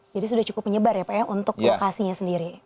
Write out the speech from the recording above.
jadi sudah cukup menyebar ya pak ya untuk lokasinya sendiri